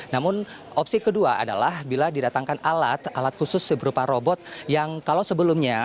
namun opsi kedua adalah bila didatangkan alat alat khusus berupa robot yang kalau sebelumnya